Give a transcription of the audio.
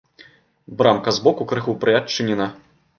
Брамка збоку крыху прыадчынена.